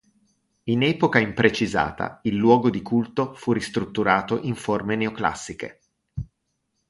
In epoca imprecisata il luogo di culto fu ristrutturato in forme neoclassiche.